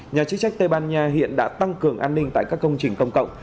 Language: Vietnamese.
nhà chức trách tây ban nha hiện đã tăng cường an ninh tại các công trình công cộng